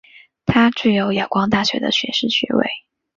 他具有仰光大学的学士学位。